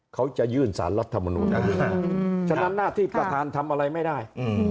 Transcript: เขาจะยื่นสารรัฐมนูลฉะนั้นหน้าที่ประธานทำอะไรไม่ได้